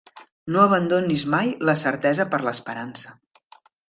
No abandonis mai la certesa per l'esperança.